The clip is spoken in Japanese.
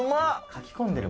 かき込んでる。